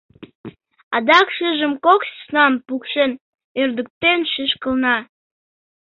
Адак шыжым кок сӧснам пукшен-ӧрдыктен шӱшкылна.